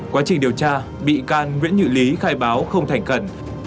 quá trình điều tra bị can nguyễn nhự lý khai báo không thành khẩn